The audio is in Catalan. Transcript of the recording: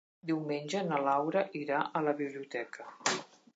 Diumenge na Laura irà a la biblioteca.